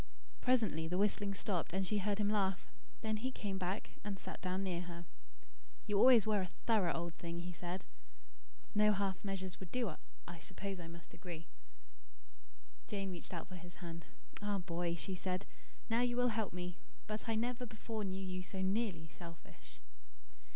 Presently the whistling stopped and she heard him laugh. Then he came back and sat down near her. "You always were a THOROUGH old thing!" he said. "No half measures would do. I suppose I must agree." Jane reached out for his hand. "Ah, Boy," she said, "now you will help me. But I never before knew you so nearly selfish."